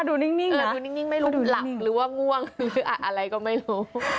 ดูนิ่งเลยดูนิ่งไม่รู้ดูหลับหรือว่าง่วงหรืออะไรก็ไม่รู้